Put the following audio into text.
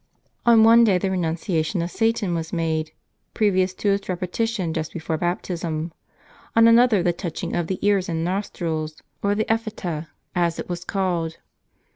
On one day the renunciation of Satan was made, previous to its repe tition just before baptism ; on another the touching of the ears and nostrils, or the EphpJieta, as it was called.